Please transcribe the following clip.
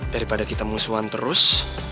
daripada kita musuhan terus